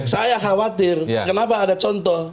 saya khawatir kenapa ada contoh